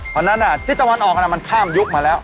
เพราะฉะนั้นทิศตะวันออกมันข้ามยุคมาแล้ว